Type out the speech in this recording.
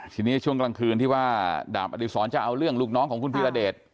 ทีนี้ช่วงกลางคืนที่ว่าดาบอดีศรจะเอาเรื่องลูกน้องของคุณพีรเดช